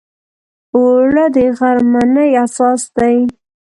اوړه د غرمنۍ اساس دی